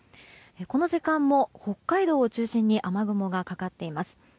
この時間も北海道を中心に雨雲がかかっています。